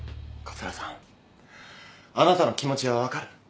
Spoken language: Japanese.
桂さんあなたの気持ちは分かる。